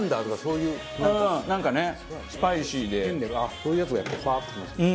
こういうやつがやっぱりふわっときますね。